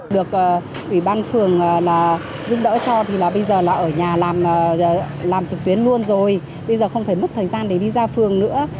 được ủy ban phường là giúp đỡ cho thì là bây giờ là ở nhà làm trực tuyến luôn rồi bây giờ không phải mất thời gian để đi ra phường nữa